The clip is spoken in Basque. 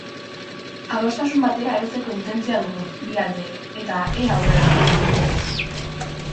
Adostasun batera heltzeko intentzioa dugu bi aldeek eta ea aurrera jarraitzen duen.